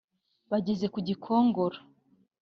Bageze ku Gikongoro